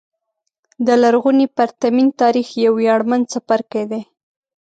د لرغوني پرتمین تاریخ یو ویاړمن څپرکی دی.